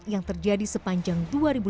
yang terjadi sepanjang tahun